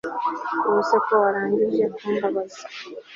ubuse ko warangije kumbabaza